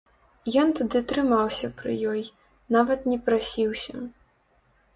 Ён тады трымаўся пры ёй, нават не прасіўся.